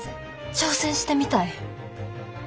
挑戦してみたい。